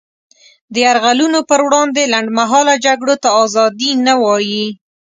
د یرغلونو پر وړاندې لنډمهاله جګړو ته ازادي نه وايي.